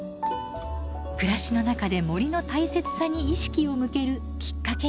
暮らしの中で森の大切さに意識を向けるきっかけに。